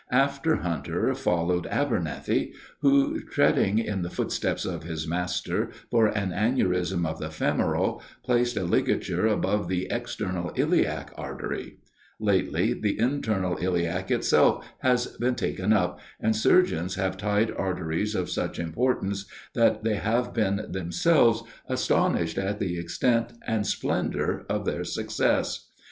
After Hunter followed Abernethy, who, treading in the footsteps of his master, for an aneurism of the femoral, placed a ligature around the external iliac artery; lately the internal iliac itself has been taken up, and surgeons have tied arteries of such importance, that they have been themselves astonished at the extent and splendor of their success.